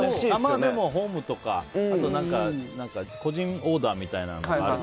でも、ホームとか個人オーダーみたいなものはあるって。